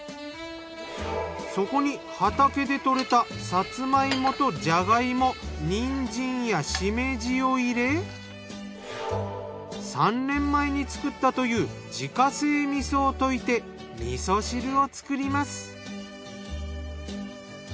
そこに畑で採れたさつま芋とじゃが芋にんじんやしめじを入れ３年前に作ったという自家製味噌を溶いて味噌汁を作ります。